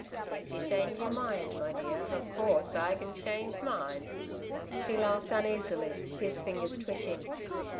"If you change y'r mind, my dear, of course I can change mine." He laughed uneasily, his fingers twitching.